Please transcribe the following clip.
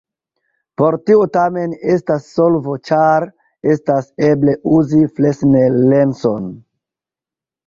Por tio tamen estas solvo, ĉar estas eble uzi Fresnel-lenson.